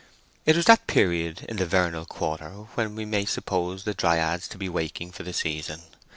It was that period in the vernal quarter when we may suppose the Dryads to be waking for the season.